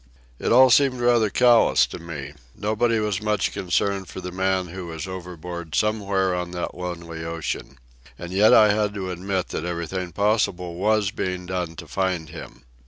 It all seemed rather callous to me. Nobody was much concerned for the man who was overboard somewhere on that lonely ocean. And yet I had to admit that everything possible was being done to find him.